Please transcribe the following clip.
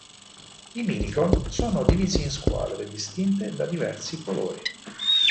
I minicon sono divisi in "squadre" distinte da diversi colori.